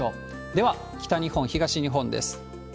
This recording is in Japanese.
では、北日本、東日本です。